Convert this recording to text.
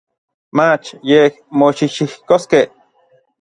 Mach yej moxijxikoskej.